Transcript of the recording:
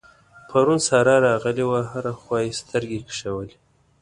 پرون سارا راغلې وه؛ هره خوا يې سترګې کشولې.